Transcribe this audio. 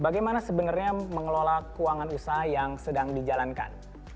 bagaimana sebenarnya mengelola keuangan usaha yang sedang dijalankan